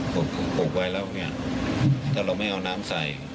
ปกไว้แล้วเนี่ยถ้าเราไม่เอาน้ำใส่